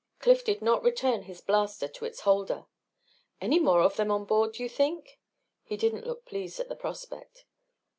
Cliff did not return his blaster to its holder. "Any more of them on board, d'you think?" He didn't look pleased at the prospect.